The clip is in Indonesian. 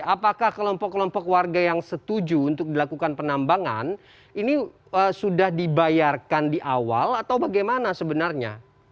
apakah kelompok kelompok warga yang setuju untuk dilakukan penambangan ini sudah dibayarkan di awal atau bagaimana sebenarnya